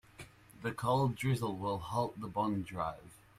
The cold drizzle will halt the bond drive.